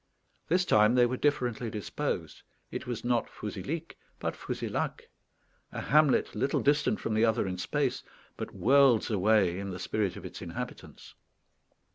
This time they were differently disposed. It was not Fouzilhic, but Fouzilhac, a hamlet little distant from the other in space, but worlds away in the spirit of its inhabitants.